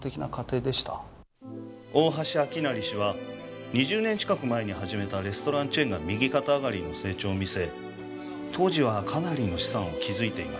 大橋明成氏は２０年近く前に始めたレストランチェーンが右肩上がりの成長を見せ当時はかなりの資産を築いていました。